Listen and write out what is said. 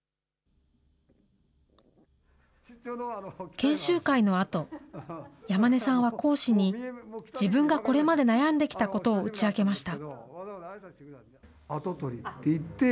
研修会のあと、山根さんは講師に、自分がこれまで悩んできたことを打ち明けました。